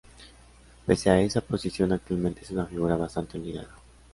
Pese a esa posición, actualmente es una figura bastante olvidada.